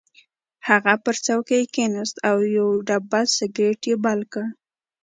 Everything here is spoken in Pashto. هغه پر څوکۍ کېناست او یو ډبل سګرټ یې بل کړ